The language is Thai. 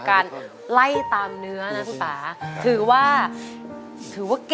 การไล่ตามเนื้อน้ำตาถือว่าเก่งนะ